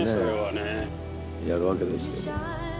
やるわけですけど。